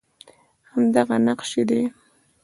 همدغه نقش یې دی